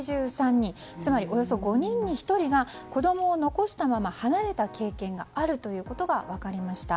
つまりおよそ５人に１人が子供を残したまま離れた経験があるということが分かりました。